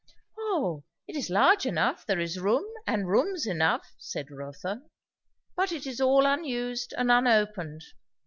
"O it is large enough there is room, and rooms, enough," said Rotha; "but it is all unused and unopened.